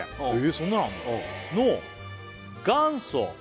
そんなのあるの？の元祖